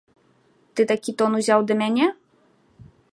Ты такі тон узяў да мяне?